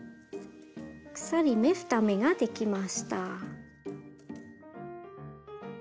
鎖目２目ができました。